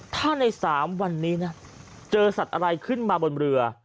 ถ้าใน๓วันนี้นะเจอสัตว์อะไรขึ้นมาบนเรือ